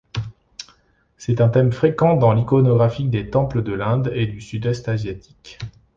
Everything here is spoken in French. C'est un thème fréquent dans l'iconographie des temples de l'Inde et du Sud-Est asiatique.